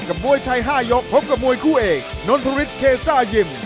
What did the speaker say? มวยไทย๕ยกพบกับมวยคู่เอกนนทฤษเคซ่ายิม